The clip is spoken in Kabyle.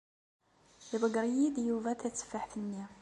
Iḍeyyeṛ-iyi-d Yuba tateffaḥt-nni.